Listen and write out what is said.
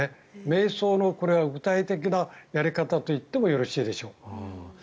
めい想の具体的なやり方といってもよろしいでしょう。